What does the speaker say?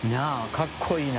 かっこいいな。